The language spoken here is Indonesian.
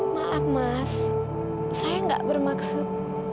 maaf mas saya gak bermaksud